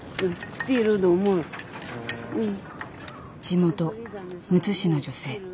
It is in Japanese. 地元むつ市の女性。